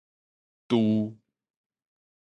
駐